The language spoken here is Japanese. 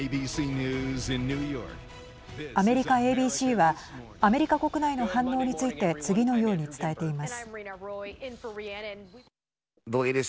アメリカＡＢＣはアメリカ国内の反応について次のように伝えています。